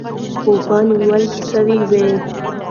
اوبه نیول سوې وې.